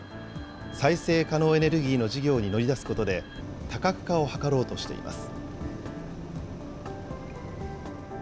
再生可能エネルギーの事業に乗り出すことで、多角化を図ろうとしています。